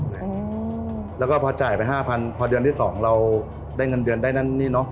แล้วก็พอจ่ายไปห้าพันพอเดือนที่สองเราได้เงินเดือนได้นั่นนี่เนอะ